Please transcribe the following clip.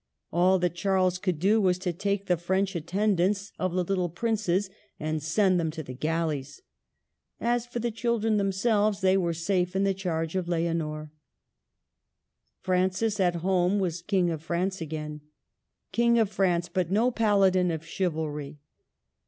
All that Charles could do was to take the French attendants of I20 MARGARET OF ANGOUL^ME. the little princes and send them to the galleys. As for the children themselves, they were safe in the charge of Leonor. Francis, at home, was King of France again, — King of France, but no paladin of chivalry.